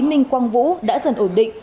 ninh quang vũ đã dần ổn định